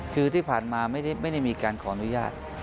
คือที่ผ่านมาไม่ได้มีการขออนุญาต